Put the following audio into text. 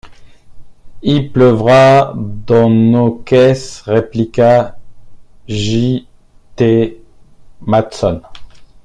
Il pleuvra dans nos caisses, répliqua J.-T. Maston.